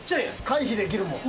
回避できるもん。